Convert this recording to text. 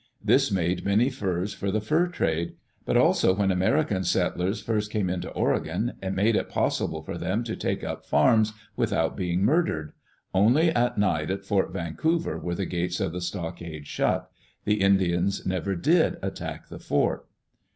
This made many furs for the fur trade. But also when American settlers first came into Oregon, it made it possible for them to take up farms without being murdered. Only at night at Fort Vancouver were the gates of the stockade shut. The Indians never did attack the fort.